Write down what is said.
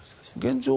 現状